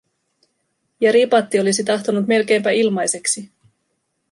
Ja Ripatti olisi tahtonut melkeinpä ilmaiseksi.